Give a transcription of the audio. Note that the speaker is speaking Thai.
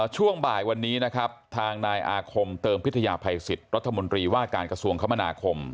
ช่วงบ่ายวันนี้นะครับทางนายอาคมเติมพิทยาภัยสิทธิ์รัฐมนตรีว่าการกระทรวงคมนาคม